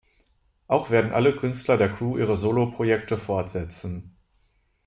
Auch werden alle Künstler der Crew ihre Soloprojekte fortsetzen.